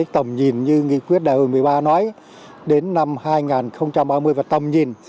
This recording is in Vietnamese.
tầm nhìn như nghị quyết đại hội một mươi ba nói đến năm hai nghìn ba mươi và tầm nhìn